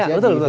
ya betul betul